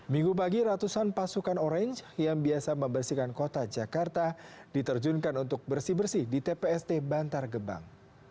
minggu pagi ratusan pasukan orange yang biasa membersihkan kota jakarta diterjunkan untuk bersih bersih di tpst bantar gebang